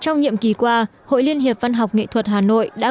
trong nhiệm kỳ qua hội liên hiệp văn học nghệ thuật hà nội đã